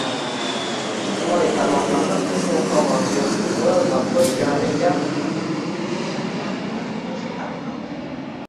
Ijtimoiy tarmoqlarda “Prezident sovg‘asi” yozuvi va Tokio Olimpiadasi logotipi tushirilgan avtomobillar videosi tarqaldi